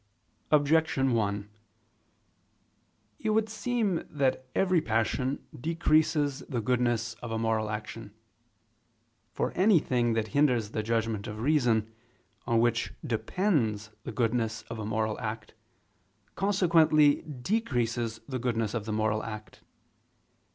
Objection 1: It would seem that every passion decreases the goodness of a moral action. For anything that hinders the judgment of reason, on which depends the goodness of a moral act, consequently decreases the goodness of the moral act.